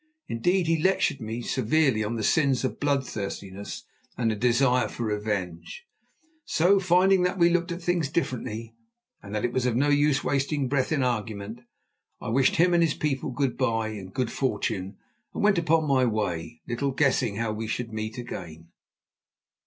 Indeed, he lectured me severely on the sins of bloodthirstiness and a desire for revenge. So, finding that we looked at things differently, and that it was of no use wasting breath in argument, I wished him and his people good bye and good fortune and went upon my way, little guessing how we should meet again.